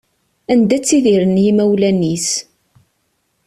Anda ttidiren yimawlan-is.